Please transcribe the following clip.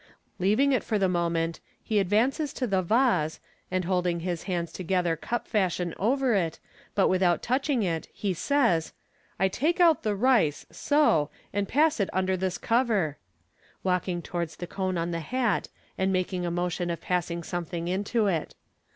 Leaving it for the moment, he advances to the vase, and holding his hands together cup fashion over it, but without touching it, he says, "I take out the rice, so, and pass it under this cover " (walking towards the cone on the hat, and making a motion of passing something into it).